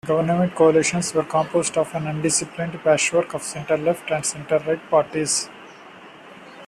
Governmental coalitions were composed of an undisciplined patchwork of center-left and center-right parties.